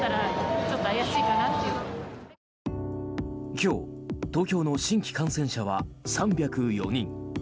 今日、東京の新規感染者は３０４人。